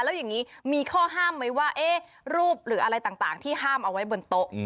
แล้วอย่างนี้มีข้อห้ามไหมว่ารูปหรืออะไรต่างที่ห้ามเอาไว้บนโต๊ะ